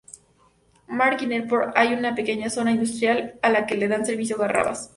Mark y Newport hay una pequeña zona industrial a la que dan servicio gabarras.